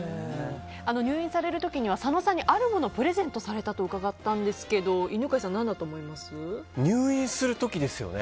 入院される時には佐野さんにあるものをプレゼントされたと伺ったんですけど入院する時ですよね。